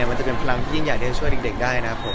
มันจะเป็นพลังที่ยิ่งใหญ่ที่จะช่วยเด็กได้นะครับผม